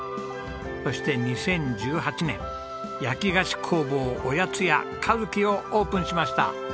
そして２０１８年焼き菓子工房おやつ屋和希をオープンしました。